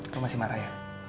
lu masih marah ya